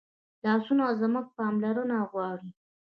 لاسونه زموږ پاملرنه غواړي